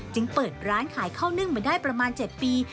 เปิดร้านขายข้าวนึ่งมาได้ประมาณ๗ปี